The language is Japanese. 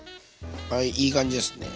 はいいい感じですね。